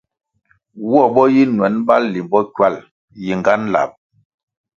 Woh bo yi nuen bali limbo ckywal, yingan lab.